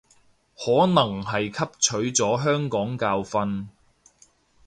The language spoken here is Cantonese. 可能係汲取咗香港教訓